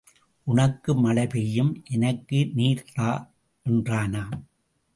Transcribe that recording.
உனக்கு மழை பெய்யும், எனக்கு நீர் தா என்றானாம்.